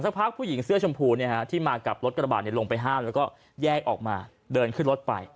พักผู้หญิงเสื้อชมพูที่มากับรถกระบาดลงไปห้ามแล้วก็แยกออกมาเดินขึ้นรถไป